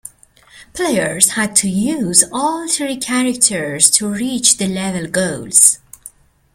Players had to use all three characters to reach the level goals.